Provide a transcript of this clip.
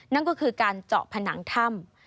นั่นก็คือการเจาะผนังถ้ำ